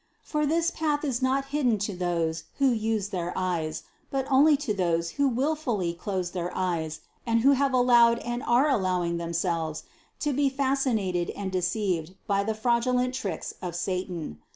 For this path is not hidden to those who use their eyes, but only to those who wil fully close their eyes and who have allowed and are al lowing themselves to be fascinated and deceived by the fraudulent tricks of satan.